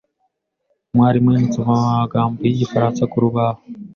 Umwarimu yanditse amagambo yigifaransa kurubaho.